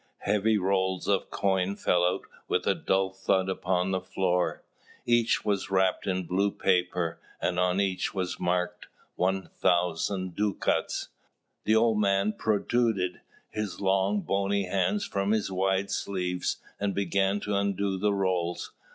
Heavy rolls of coin fell out with a dull thud upon the floor. Each was wrapped in blue paper, and on each was marked, "1000 ducats." The old man protruded his long, bony hand from his wide sleeves, and began to undo the rolls.